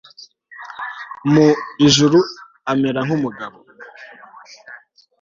mu ijuru amera nk'umugabo